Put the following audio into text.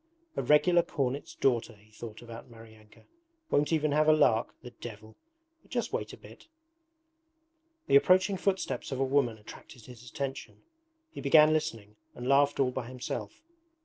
'A regular cornet's daughter!' he thought about Maryanka. 'Won't even have a lark the devil! But just wait a bit.' The approaching footsteps of a woman attracted his attention. He began listening, and laughed all by himself.